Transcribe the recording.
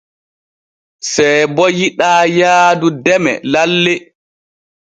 Seebo yiɗaa yaadu deme lalle.